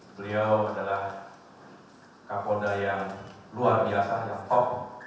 beliau adalah kapolda yang luar biasa ngetop